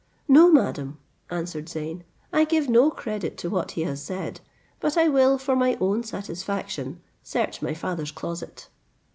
"No, madam," answered Zeyn, "I give no credit to what he has said; but I will, for my own satisfaction, search my father's closet."